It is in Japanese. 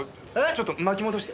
ちょっと巻き戻して。